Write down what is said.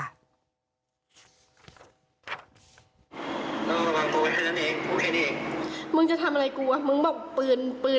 ถ้ากูไม่มีความสุขไทยก็อั้มมีความสุข